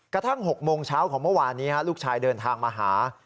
กระทั่ง๖โมงเช้าของเมื่อวานนี้ลูกชายเดินทางมาหา